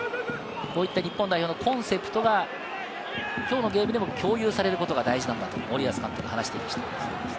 日本代表のコンセプトがきょうのゲームでも共有されることが大事なんだと森保監督も話していました。